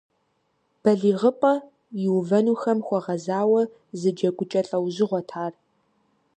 Балигъыпӏэ иувэнухэм хуэгъэзауэ зы джэгукӀэ лӀэужьыгъуэт ар.